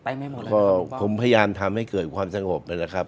ไปไม่หมดเลยนะครับคุณพ่อคุณพ่อผมพยายามทำให้เกิดความสงบกันนะครับ